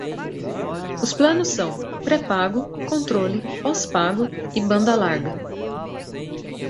Os planos são: pré-pago, controle, pós-pago e banda larga